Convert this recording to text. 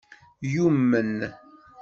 Yumen?